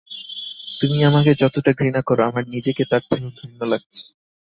তুমি আমাকে যতটা ঘৃণা কর, আমার নিজেকে তার থেকেও ঘৃণ্য লাগছে।